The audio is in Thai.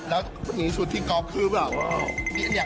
แล้วชุดที่ก็อล์ฟคือแบบ